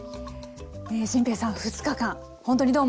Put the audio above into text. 心平さん２日間ほんとにどうも。